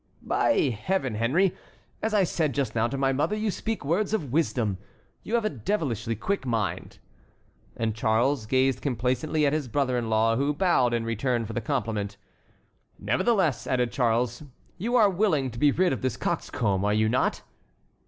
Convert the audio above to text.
"By Heaven, Henry, as I said just now to my mother, you speak words of wisdom. You have a devilishly quick mind." And Charles gazed complacently at his brother in law, who bowed in return for the compliment. "Nevertheless," added Charles, "you are willing to be rid of this coxcomb, are you not?"